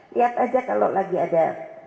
lihat aja kalau lagi ada